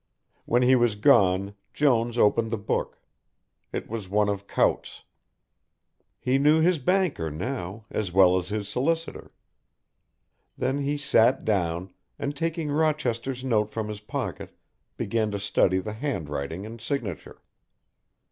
When he was gone Jones opened the book; it was one of Coutt's. He knew his banker now as well as his solicitor. Then he sat down, and taking Rochester's note from his pocket began to study the handwriting and signature.